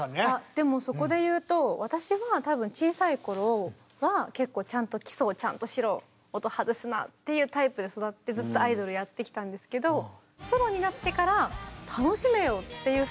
でもそこでいうと私は多分小さい頃は結構ちゃんとっていうタイプで育ってずっとアイドルやってきたんですけどソロになってから楽しめよっていう。